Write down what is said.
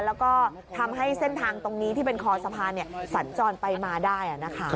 แล้วก็ทำให้เส้นทางตรงนี้ที่เป็นคอสะพานสัญจรไปมาได้นะคะ